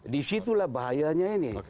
disitulah bahayanya ini